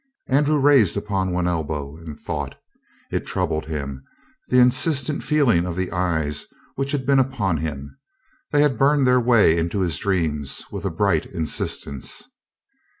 Andrew raised upon one elbow and thought. It troubled him the insistent feeling of the eyes which had been upon him. They had burned their way into his dreams with a bright insistence.